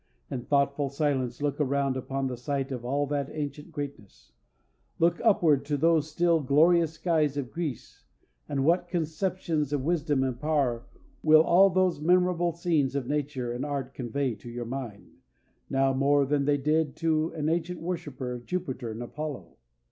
In thoughtful silence look around upon the site of all that ancient greatness; look upward to those still glorious skies of Greece, and what conceptions of wisdom and power will all those memorable scenes of nature and art convey to your mind, now more than they did to an ancient worshiper of Jupiter and Apollo!